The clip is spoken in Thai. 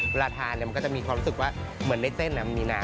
เวลาทานมันก็จะมีความรู้สึกว่าเหมือนในเส้นมีน้ำ